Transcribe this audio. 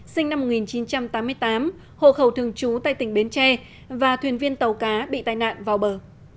sinh năm một nghìn chín trăm tám mươi tám hộ khẩu thường trú tại tỉnh bến tre và thuyền viên tàu cá bị tai nạn vào bờ